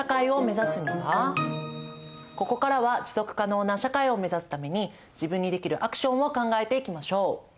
ここからは持続可能な社会を目指すために自分にできるアクションを考えていきましょう！